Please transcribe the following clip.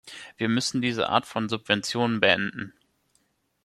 Wir müssen diese Art von Subventionen beenden.